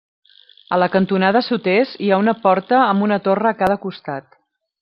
A la cantonada sud-est hi ha una porta amb una torre a cada costat.